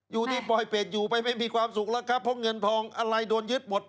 อยู่ดีปล่อยเป็ดอยู่ไปไม่มีความสุขแล้วครับเพราะเงินทองอะไรโดนยึดหมด